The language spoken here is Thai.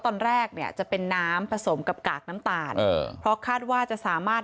ตอนแรกเนี่ยจะเป็นน้ำผสมกับกากน้ำตาลเออเพราะคาดว่าจะสามารถ